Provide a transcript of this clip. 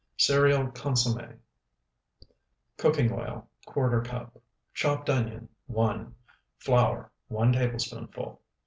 CEREAL CONSOMME Cooking oil, ¼ cup. Chopped onion, 1. Flour, 1 tablespoonful.